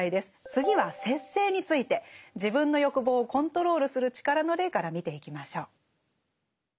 次は「節制」について自分の欲望をコントロールする力の例から見ていきましょう。